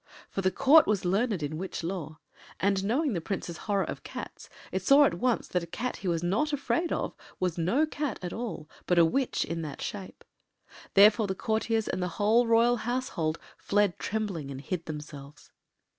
For the Court was learned in witch law, and knowing the Prince’s horror of cats it saw at once that a cat he was not afraid of was no cat at all, but a witch in that shape. Therefore the courtiers and the whole Royal household fled trembling and hid themselves.